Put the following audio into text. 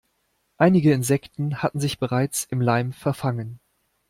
Einige Insekten hatten sich bereits im Leim verfangen.